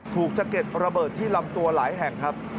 สะเก็ดระเบิดที่ลำตัวหลายแห่งครับ